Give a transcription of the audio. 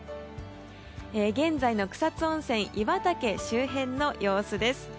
現在の草津温泉湯畑周辺の様子です。